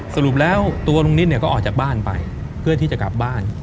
สรุปแล้วตัวลุงนิดเนี่ยก็ออกจากบ้านไปเพื่อที่จะกลับบ้าน